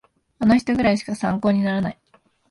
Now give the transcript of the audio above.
あの人くらいしか参考にならない